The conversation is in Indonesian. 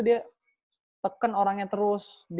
dia teken orangnya terus